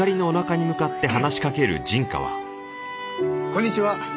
こんにちは。